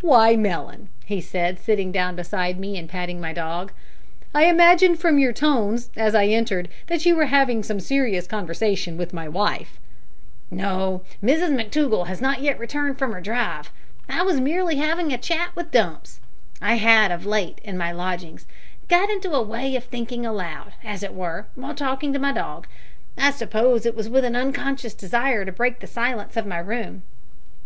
"Why, Mellon," he said, sitting down beside me, and patting my dog, "I imagined from your tones, as I entered, that you were having some serious conversation with my wife." "No; Mrs McTougall has not yet returned from her drive. I was merely having a chat with Dumps. I had of late, in my lodgings, got into a way of thinking aloud, as it were, while talking to my dog. I suppose it was with an unconscious desire to break the silence of my room."